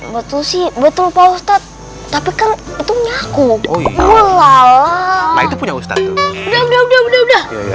betul sih betul pak ustadz tapi kan itu punya aku oh iya lah itu punya ustadz itu udah udah udah